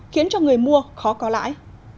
khiến cho người mua khó có lãi